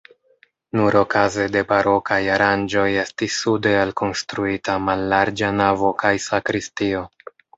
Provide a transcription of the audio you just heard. Nur okaze de barokaj aranĝoj estis sude alkonstruita mallarĝa navo kaj sakristio.